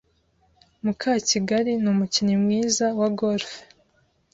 Mukakigali numukinnyi mwiza wa golf.